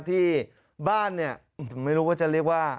ที่บ้านเนี่ยไม่รู้ว่าจะเรียกว่า